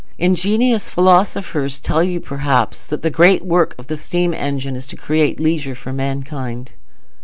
Ingenious philosophers tell you, perhaps, that the great work of the steam engine is to create leisure for mankind.